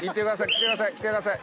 来てください来てください。